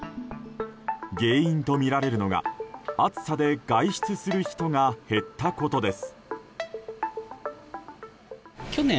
原因とみられるのが暑さで外出する人が減ったことです。